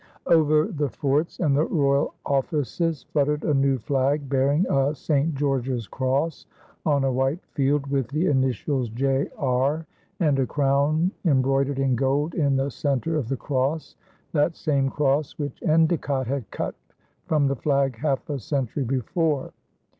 Over the forts and the royal offices fluttered a new flag, bearing a St. George's cross on a white field, with the initials J. R. and a crown embroidered in gold in the center of the cross, that same cross which Endecott had cut from the flag half a century before.